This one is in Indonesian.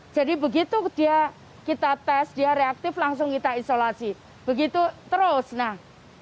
jadi begitu kita tes dia reaktif langsung kita isolasi begitu terus nah